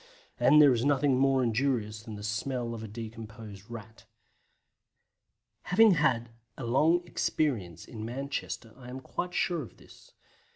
And there is nothing more injurious than the smell of a decomposed Rat. Having had a long experience in Manchester I am quite sure of this.